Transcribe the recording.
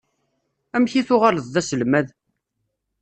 Amek i tuɣaleḍ d aselmad?